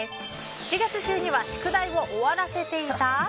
７月中には宿題を終わらせていた？